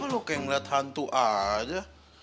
lu kenapa lu kayak ngeliat hantu aja